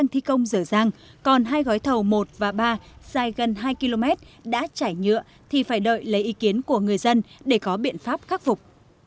thi công dở dàng còn hai gói thầu một và ba dài gần hai km đã chảy nhựa thì phải đợi lấy ý kiến của người dân để có biện pháp khắc phục